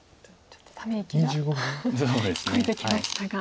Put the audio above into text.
ちょっとため息が聞こえてきましたが。